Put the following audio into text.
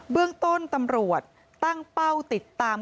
เรื่องต้นตำรวจตั้งเป้าติดตาม